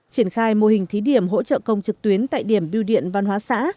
triển khai mô hình thí điểm hỗ trợ công trực tuyến tại điểm biêu điện văn hóa xã